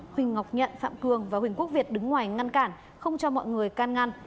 huỳnh ngọc nhận phạm cường và huỳnh quốc việt đứng ngoài ngăn cản không cho mọi người can ngăn